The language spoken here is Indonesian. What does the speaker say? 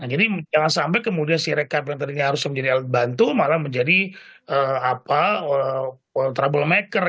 jadi jangan sampai kemudian si rekap yang tadi harus menjadi alat bantu malah menjadi troublemaker